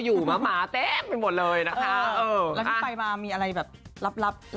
คุณสงการแล้วก็ร้านกาแฟ